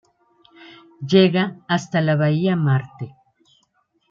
Llega hasta la Bahía Marte.